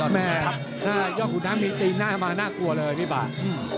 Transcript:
แม่ย่อหุ่นน้ำมีตีนมาน่ากลัวเลยพี่บ้าน